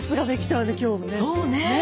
そうね。